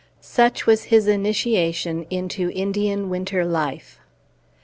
Such was his initiation into Indian winter life.